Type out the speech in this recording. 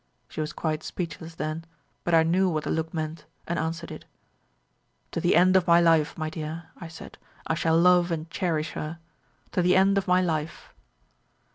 She was quite speechless then, but I knew what the look meant, and answered it. "'To the end of my life, my dear,' I said, 'I shall love and cherish her to the end of my life.'